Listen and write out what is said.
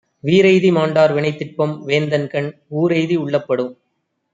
வீறெய்தி மாண்டார் வினைத்திட்பம், வேந்தன்கண் ஊறெய்தி உள்ளப்படும்.